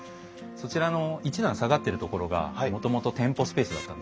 そちらの一段下がってるところがもともと店舗スペースだったんです。